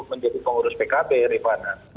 menjadi pengurus pkb rihvana